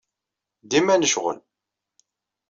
Dima necɣel.